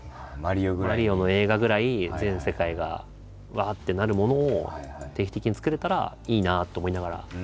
「マリオ」の映画ぐらい全世界がうわってなるものを定期的に作れたらいいなと思いながら。